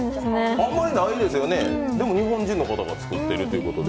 あんまりないですよね、日本人の方が作っているということで。